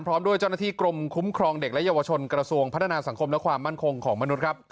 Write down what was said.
พร้อมด้วยเจ้าหน้าที่กรมคุ้มครองเด็กและเยาวชนกระทรวงพัฒนาสังคมและความมั่นคงของมนุษย์ครับ